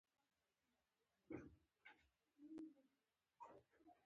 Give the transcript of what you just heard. دا بله خوا یې مغل بلل.